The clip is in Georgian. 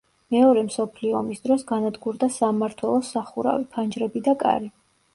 მეორე მსოფლიო ომის დროს განადგურდა სამმართველოს სახურავი, ფანჯრები და კარი.